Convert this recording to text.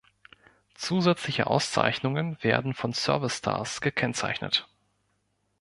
Zusätzliche Auszeichnungen werden von Service Stars gekennzeichnet.